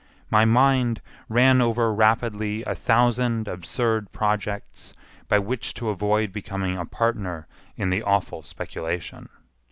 My mind ran over rapidly a thousand absurd projects by which to avoid becoming a partner in the awful speculation.